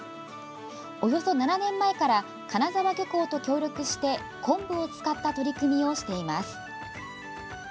およそ７年前から金沢漁港と協力して昆布を使った取り組みをしています。